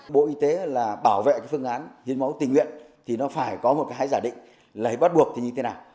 bộ y tế là bảo vệ cái phương án hiến máu tình nguyện thì nó phải có một cái hãy giả định lấy bắt buộc thì như thế nào